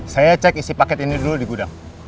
saya cek isi paket ini dulu di gudang